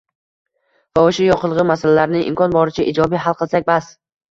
va o‘sha yoqilg‘i masalalarini imkon boricha ijobiy hal qilsak bas.